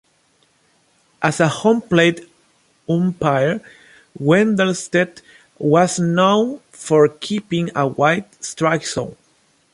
As a home plate umpire, Wendelstedt was known for keeping a wide strike zone.